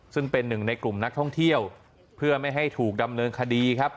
ซึ่งเป็นหนึ่งในกลุ่มนักท่องเที่ยวเพื่อไม่ให้ถูกดำเนินคดีครับ